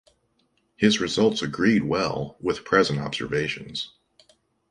His results agreed well with present observations.